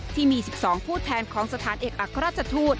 ที่มี๑๒ผู้แทนของสถานเอกอัครราชทูต